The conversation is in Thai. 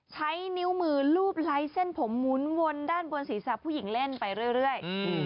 ใช้นิ้วมือรูปไลค์เส้นผมหมุนวนด้านบนศีรษะผู้หญิงเล่นไปเรื่อย